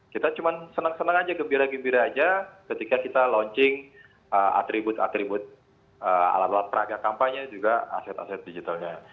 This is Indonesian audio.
kita cuma senang senang aja gembira gembira aja ketika kita launching atribut atribut alat alat peraga kampanye juga aset aset digitalnya